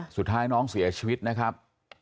สุดท้ายน้องเสียชีวิตนะครับ